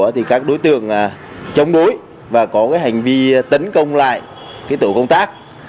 thì các đối tượng chống đối và có hành vi tấn công lại tổ công tác